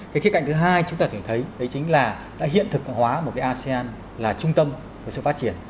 cái khía cạnh thứ hai chúng ta có thể thấy đấy chính là đã hiện thực hóa một cái asean là trung tâm của sự phát triển